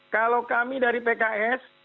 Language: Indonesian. kalau kami dari pks